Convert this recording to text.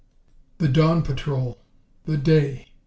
The dawn patrol! The day!